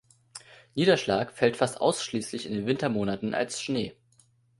Niederschlag fällt fast ausschließlich in den Wintermonaten als Schnee.